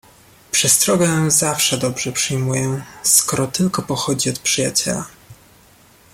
"Przestrogę zawsze dobrze przyjmuję, skoro tylko pochodzi od przyjaciela."